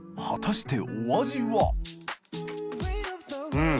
うん。